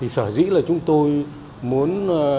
sở dĩ là chúng tôi muốn